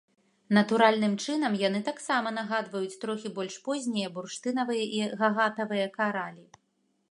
Натуральным чынам яны таксама нагадваюць трохі больш познія бурштынавыя і гагатавыя каралі.